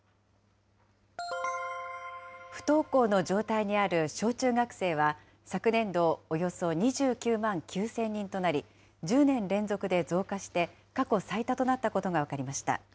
不登校の状態にある小中学生は、昨年度、およそ２９万９０００人となり、１０年連続で増加して過去最多となったことが分かりました。